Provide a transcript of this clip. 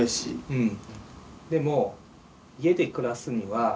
うん。